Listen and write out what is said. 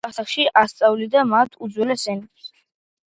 მამა ადრეულ ასაკში ასწავლიდა მათ უძველესი ენებს.